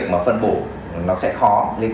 nó khá là nhỏ dọc